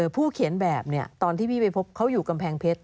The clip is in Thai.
ผู้เขียนแบบตอนที่พี่ไปพบเขาอยู่กำแพงเพชร